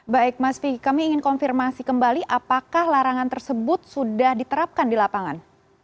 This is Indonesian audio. baik mas fiki kami ingin konfirmasi kembali apakah larangan tersebut sudah diterapkan di lapangan